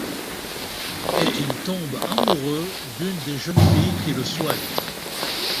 Et il tombe amoureux d'une des jeunes filles qui le soigne.